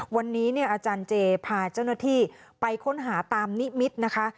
วันนี้เนี่ยอาจารย์เจพาเจ้าหน้าที่ไปค้นหาตามนิมิตรนะคะ